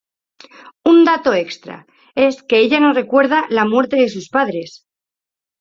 Un dato extra es que ella no recuerda la muerte de sus padres.